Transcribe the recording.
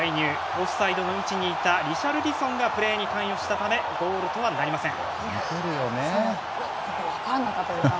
オフサイドの位置にいたリシャルリソンがプレーに関与したためゴールとはなりません。